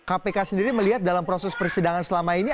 kpk sendiri melihat dalam proses persidangan selama ini